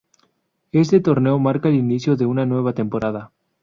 Este torneo marca el inicio de una nueva temporada.